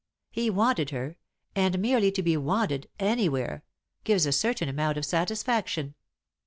He wanted her, and merely to be wanted, anywhere, gives a certain amount of satisfaction.